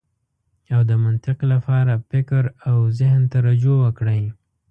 او د منطق لپاره فکر او زهن ته رجوع وکړئ.